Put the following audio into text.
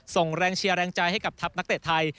ส่งแรงเชียร์แรงใจให้กับทัพนักเตะไทย